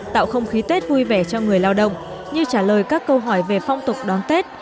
tạo không khí tết vui vẻ cho người lao động như trả lời các câu hỏi về phong tục đón tết